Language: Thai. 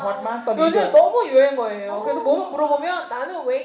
ถัดมากขอบคุณค่ะ